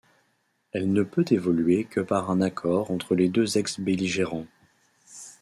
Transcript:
Elle ne peut évoluer que par un accord entre les deux ex-belligérants.